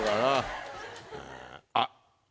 あっ！